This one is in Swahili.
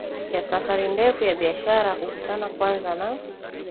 ya safari ndefu ya biashara hukutana kwanza na